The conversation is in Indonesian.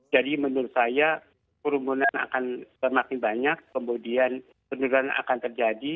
menurut saya kerumunan akan semakin banyak kemudian penurunan akan terjadi